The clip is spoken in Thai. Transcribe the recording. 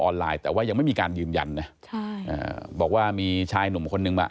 ออนไลน์แต่ว่ายังไม่มีการยืมยันบอกว่ามีชายหนุ่มคนนึงมา